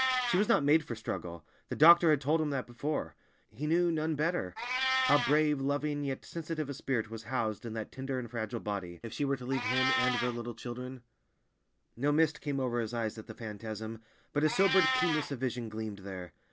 She was not made for struggle; the doctor had told him that before. He knew, none better! how brave, loving, yet sensitive a spirit was housed in that tender and fragile body. If she were to leave him and their little children— No mist came over his eyes at the phantasm, but a sobered keenness of vision gleamed there.